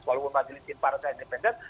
walaupun majelisnya parter independen